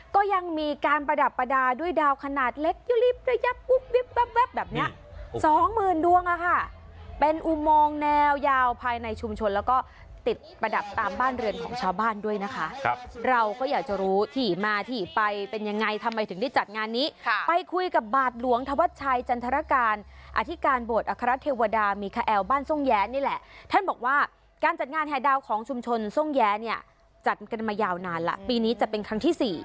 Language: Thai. ก็ยังมีการประดับประดาษด้วยดาวขนาดเล็กอย่าลีบระยับวิบแบบแบบแบบแบบแบบแบบแบบแบบแบบแบบแบบแบบแบบแบบแบบแบบแบบแบบแบบแบบแบบแบบแบบแบบแบบแบบแบบแบบแบบแบบแบบแบบแบบแบบแบบแบบแบบแบบแบบแบบแบบแบบแบบแ